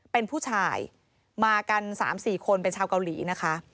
เป็นผู้ชายมากัน๓๔คนเป็นชาวเกาหลีนะคะ